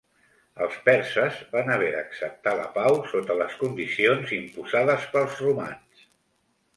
Els perses van haver d'acceptar la pau sota les condicions imposades pels romans.